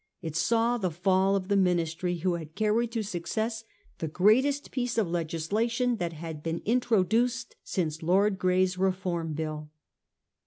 It saw the fall of the Ministry who had carried to success the greatest piece of legislation that had been in troduced since Lord Grey's Reform Bill.